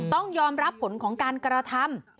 ต้องยอมรับผลของการกระทำ